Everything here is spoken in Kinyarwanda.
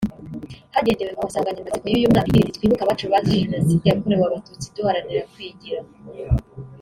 Hagendewe ku nsanganyamatsiko y’uyu mwaka igira iti “Twibuke abacu bazize Jenoside yakorewe Abatutsi duharanira kwigira”